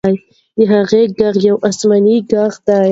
د هغې ږغ یو آسماني ږغ دی.